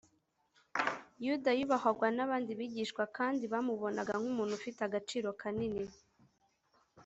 yuda yubahwaga n’abandi bigishwa kandi bamubonaga nk’umuntu ufite agaciro kanini